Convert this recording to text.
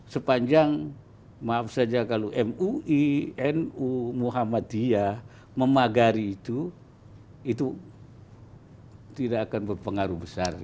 sepanjang maaf saja kalau mui nu muhammadiyah memagari itu